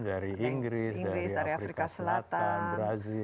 dari inggris dari afrika selatan